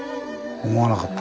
思わなかった。